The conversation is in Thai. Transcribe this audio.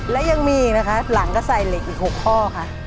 และยังมีอีกนะคะหลังก็ใส่เหล็กอีก๖ข้อค่ะ